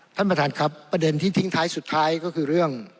ท่านประธานครับประเด็นที่ทิ้งท้ายสุดท้ายก็คือเรื่อง